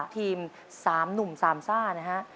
ทีม๓หนุ่ม๓ซ่านะฮะ